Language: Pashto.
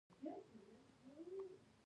بزګر پر لیهمڅي اوږد وغځېد او پښه یې پورته کړه.